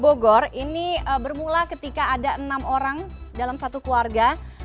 bogor ini bermula ketika ada enam orang dalam satu keluarga